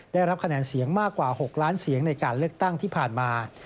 ได้รับคะแนนเสียงมากกว่า๖ล้านเสียงในการเลือกตั้งที่ผ่านมา